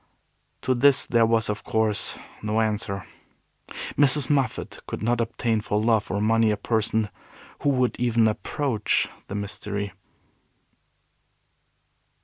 To this there was, of course, no answer. Mrs. Moffat could not obtain for love or money a person who would even approach the Mystery.